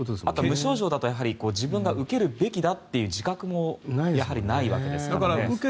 無症状だと自分が受けるべきだという自覚もやはりないわけですからね。